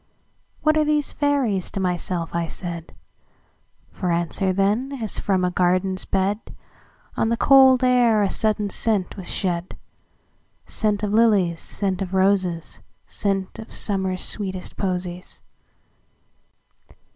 "What are these fairies?" to myself I said; For answer, then, as from a garden's bed, On the cold air a sudden scent was shed,—Scent of lilies, scent of roses, Scent of Summer's sweetest posies.